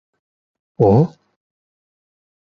Oh?